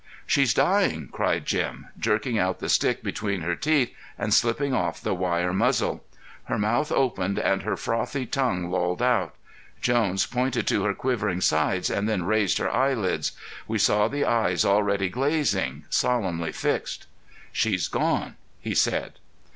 "She's dying," cried Jim, jerking out the stick between her teeth and slipping off the wire muzzle. Her mouth opened and her frothy tongue lolled out. Jones pointed to her quivering sides and then raised her eyelids. We saw the eyes already glazing, solemnly fixed. "She's gone," he said.